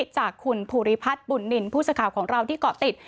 จากคุณภูริพัฒน์บุญลินผู้สาขาของเราที่เกาะติด